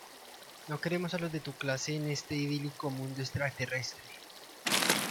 No queremos a los de tu clase en este idílico mundo extraterrestre".